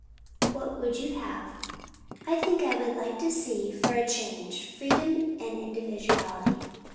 "What would you have?" "I think I would like to see, for a change, freedom and individuality.